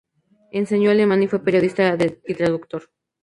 Enseñó alemán y fue periodista y traductor.